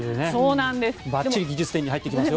ばっちり技術点に入ってきますよ。